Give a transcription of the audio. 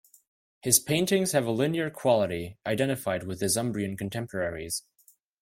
His paintings have a linear quality identified with his Umbrian contemporaries.